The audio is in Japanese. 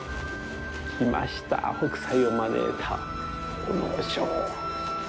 来ました、北斎を招いた豪農商。